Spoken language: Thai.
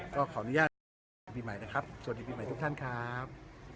ก็ขออนุญาตปีใหม่นะครับสวัสดีปีใหม่ทุกท่านครับ